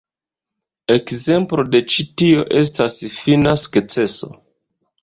Ekzemplo de ĉi tio estas "Fina Sukceso".